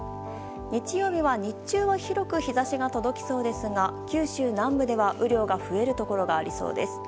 日曜日は日中は広く日差しが届きそうですが九州南部では雨量が増えるところがありそうです。